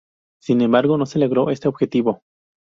Sin embargo, no se logró este objetivo.